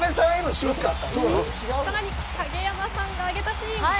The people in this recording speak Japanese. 更に影山さんが挙げたシーン。